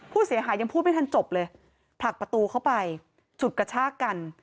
ผู้เสียหายยังพูดไม่ทันจบเลยผลักประตูเข้าไปฉุดกระชากกัน